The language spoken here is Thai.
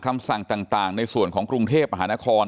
คำสั่งต่างในส่วนของกรุงเทพมหานคร